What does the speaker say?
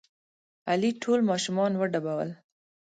علي ټول ماشومان وډبول.